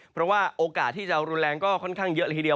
เพราะว่าโอกาสที่จะรุนแรงก็ค่อนข้างเยอะเลยทีเดียว